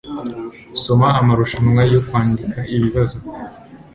soma amarushanwa yo kwandika ibibazo